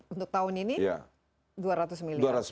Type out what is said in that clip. untuk tahun ini dua ratus miliar